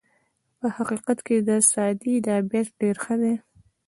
په حقیقت کې د سعدي دا بیت ډېر ښه دی.